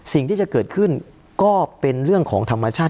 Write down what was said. สิ่งที่จะเกิดขึ้นก็เป็นเรื่องของธรรมชาติ